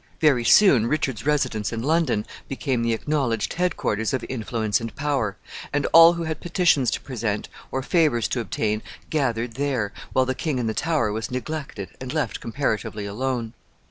Very soon Richard's residence in London became the acknowledged head quarters of influence and power, and all who had petitions to present or favors to obtain gathered there, while the king in the Tower was neglected, and left comparatively alone.